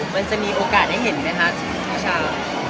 มันจะมีโอกาสได้เห็นไหมคะเมื่อเช้า